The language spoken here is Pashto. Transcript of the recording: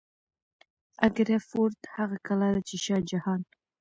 اګره فورت هغه کلا ده چې شاه جهان